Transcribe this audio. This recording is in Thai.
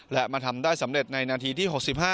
และมาทำได้สำเร็จในนาทีที่๖๕